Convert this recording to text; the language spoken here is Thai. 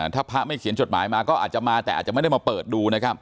ถ้าพระไม่เขียนจดหมายมาก็อาจจะมาแต่อาจจะไม่ได้มาเปิดดูนะครับ